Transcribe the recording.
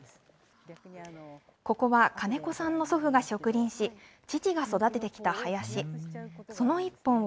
ここは金子さんの祖父が植林し、父が育ててきた林。